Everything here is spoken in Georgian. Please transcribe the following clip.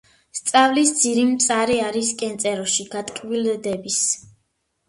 სწავლის ძირი მწარე არის კენწეროში გატკბილდების.